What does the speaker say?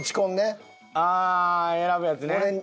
ああ選ぶやつね。